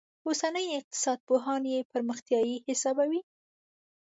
اوسني اقتصاد پوهان یې پرمختیايي حسابوي.